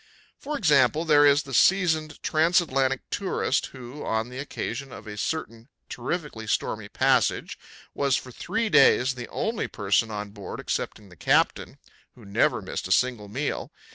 For example, there is the seasoned trans atlantic tourist who, on the occasion of a certain terrifically stormy passage, was for three days the only person on board excepting the captain who never missed a single meal.